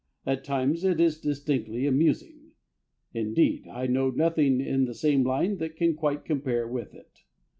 At times it is distinctly amusing. Indeed, I know nothing in the same line that can quite compare with it.